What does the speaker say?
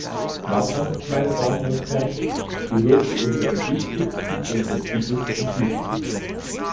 Wasser meine Damen und Herren gehört zu unseren wichtigsten und sensibelsten Gütern.